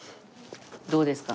どうですか？